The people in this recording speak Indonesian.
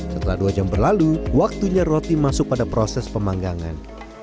setelah dua jam berlalu waktunya roti masuk pada proses pemanggangan